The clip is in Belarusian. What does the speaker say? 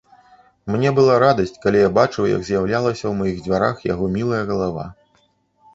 Мне была радасць, калі я бачыў, як з'яўлялася ў маіх дзвярах яго мілая галава.